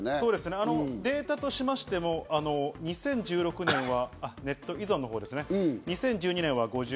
データとしましても、２０１６年は、ネット依存のほうですね。